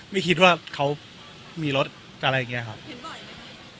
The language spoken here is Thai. ไม่คิดว่าเขามีรถอะไรอย่างเงี้ครับเห็นบ่อยไหม